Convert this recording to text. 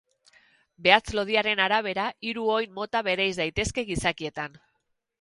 Behatz lodiaren arabera, hiru oin mota bereiz daitezke gizakietan.